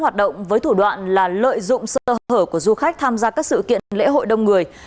hoạt động với thủ đoạn là lợi dụng sơ hở của du khách tham gia các sự kiện lễ hội đông người